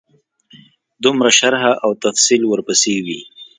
دومره شرح او تفصیل ورپسې وي.